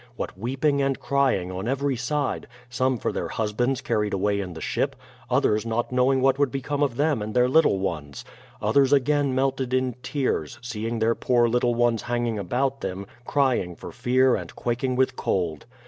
What weeping and crying on every side : some for their husbands carried away in the ship ; others not knowing what would become of them and their little ones; others again melted in tears, seeing their poor little ones hanging about them, crying for fear and quaking with cold